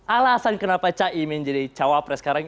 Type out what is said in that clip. alasan kenapa caimin jadi cawapres sekarang